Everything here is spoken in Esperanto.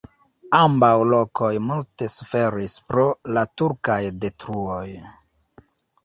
Ambaŭ lokoj multe suferis pro la turkaj detruoj.